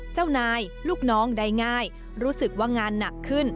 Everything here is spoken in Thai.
เจ้านายลูกน้องได้ง่ายรู้สึกว่างานหนักขึ้น